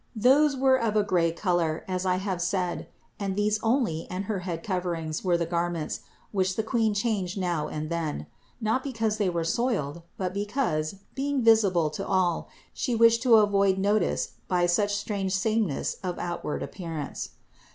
Those were of a gray color, as i have said (Part I. No. 400), and these only and her head coverings were the garments, which the Queen changed now and then ; not because they were soiled, but because, being visible to all, She wished to avoid notice by such strange sameness of outward appearance.